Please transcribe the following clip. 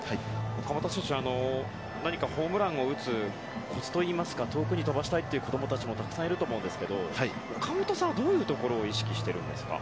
岡本選手、何かホームランを打つコツといいますか遠くに飛ばしたいという子供たちもたくさんいると思うんですけど岡本さんはどういうところを意識していますか？